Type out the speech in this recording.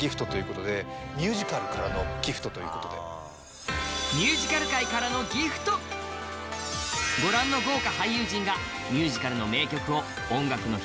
様々なギフトということでご覧の豪華俳優陣がミュージカルの名曲を「音楽の日」